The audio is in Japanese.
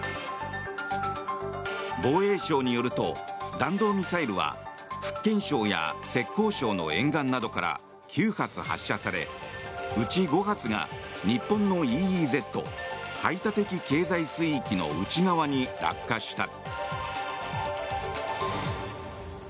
防衛省によると弾道ミサイルは福建省や浙江省の沿岸などから９発発射されうち５発が日本のＥＥＺ・排他的経済水域の内側に落下した。